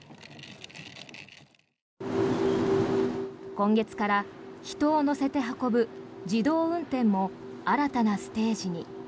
今月から人を乗せて運ぶ自動運転も新たなステージに。